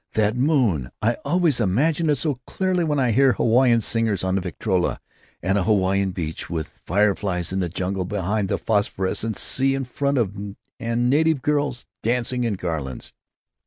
That moon!... I always imagine it so clearly when I hear Hawaiian singers on the Victrola—and a Hawaiian beach, with fireflies in the jungle behind and a phosphorescent sea in front and native girls dancing in garlands."